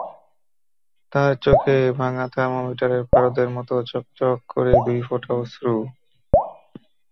তাঁর চোখে ভাঙা থার্মোমিটারের পারদের মতো চকচক করে দুই ফোঁটা অশ্রু।